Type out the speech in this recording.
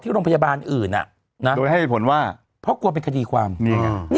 โรงพยาบาลอื่นอ่ะนะโดยให้ผลว่าเพราะกลัวเป็นคดีความนี่ไง